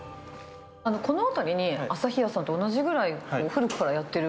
この辺りに、旭屋さんと同じぐらい古くからやってる。